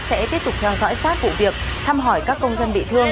sẽ tiếp tục theo dõi sát vụ việc thăm hỏi các công dân bị thương